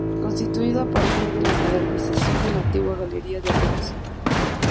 Construido a partir de la modernización de la antigua Galería de Reos.